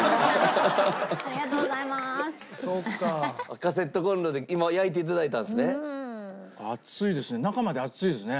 カセットコンロで今焼いて頂いたんですね？